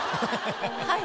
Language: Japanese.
はい。